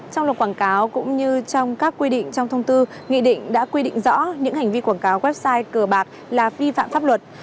trong luật quảng cáo cũng như trong các quy định trong thông tư nghị định đã quy định rõ những hành vi quảng cáo website cờ bạc là vi phạm pháp luật